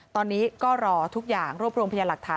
ตอนนี้ก็รอทุกอย่างรวบรวมพยานหลักฐาน